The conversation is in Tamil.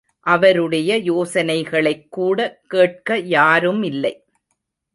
அவருடைய யோசனைகளைக் கூட கேட்க யாருமில்லை!